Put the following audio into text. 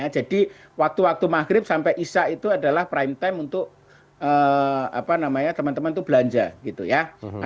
jadi waktu waktu maghrib sampai isya' itu adalah prime time untuk teman teman itu belanja gitu ya